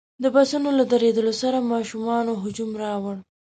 د بسونو له درېدلو سره ماشومانو هجوم راوړ.